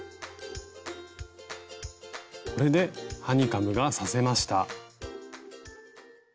これでハニカムが刺せました。